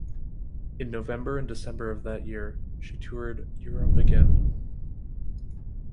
In November and December of that year, she toured Europe again.